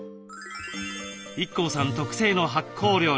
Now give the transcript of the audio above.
ＩＫＫＯさん特製の発酵料理。